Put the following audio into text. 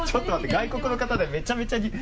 外国の方でめちゃめちゃ。